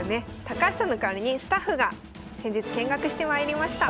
高橋さんの代わりにスタッフが先日見学してまいりました。